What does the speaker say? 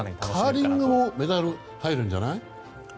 カーリングもメダル入るんじゃない？